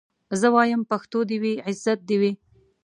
زه وايم پښتو دي وي عزت دي وي